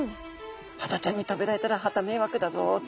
ハタちゃんに食べられたらはた迷惑だぞと。